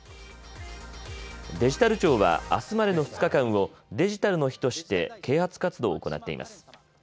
デジタル庁はあすまでの２日間をデジタルの日として啓発活動を行っています。